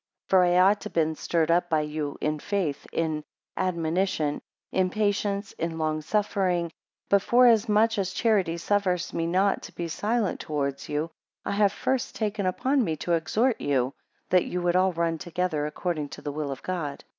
11 For I ought to have been stirred up by you, in faith: in admonition; in patience; in long suffering; but forasmuch as charity suffers me not to be silent towards you, I have first taken upon me to exhort you, that ye would all run together, according to the will of God.